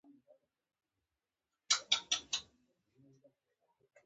استفهامي یا پوښتنیز نومځري د پوښتنې لپاره کاریږي.